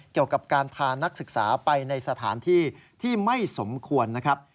เกี่ยวกับการพานักศึกษาไปในสถานที่ที่ไม่สมควรนะครับ